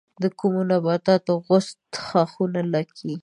د کومو نباتاتو غوڅ ښاخونه لگي؟